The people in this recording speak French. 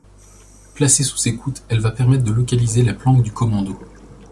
Placée sous écoute, elle va permettre de localiser la planque du commando.